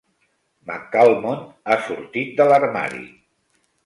McAlmont ha sortit de l'armari.